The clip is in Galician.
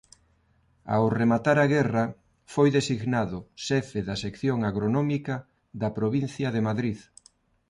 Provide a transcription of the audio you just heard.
Ao rematar a guerra foi designado Xefe da Sección Agronómica da provincia de Madrid.